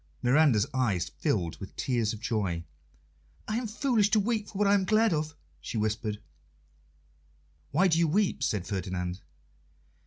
Miranda's eyes filled with tears of joy. "I am foolish to weep for what I am glad of," she whispered. "Why do you weep?" said Ferdinand.